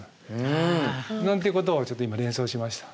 なんていうことをちょっと今連想しました。